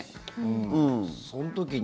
その時に。